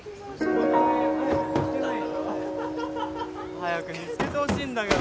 ・早く見つけてほしいんだけど